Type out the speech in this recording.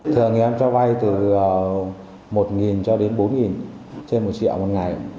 thường thì em cho vay từ một cho đến bốn trên một triệu một ngày